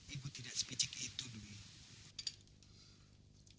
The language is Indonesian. ibu tidak sepijik itu duit